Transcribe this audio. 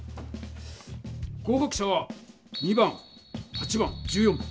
合かく者は２番８番１４番。